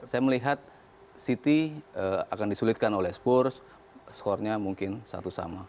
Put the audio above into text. saya melihat city akan disulitkan oleh spurs skornya mungkin satu sama